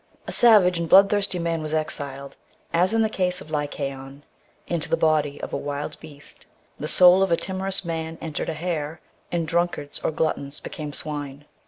A savage and bloodthirsty man was exiled, as in the case of Lycaon, into the body of a wild beast : the soul of a timorous man entered a hare, and drunkards or gluttons became swine.